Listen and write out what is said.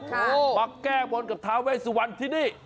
มาแก้บนกับทาเวสุวรรณที่นี่